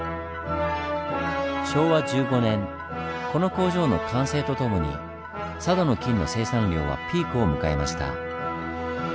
昭和１５年この工場の完成とともに佐渡の金の生産量はピークを迎えました。